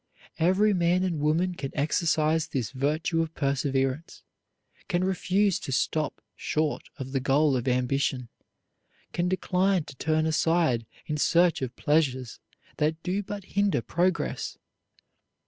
Every man and woman can exercise this virtue of perseverance, can refuse to stop short of the goal of ambition, can decline to turn aside in search of pleasures that do but hinder progress.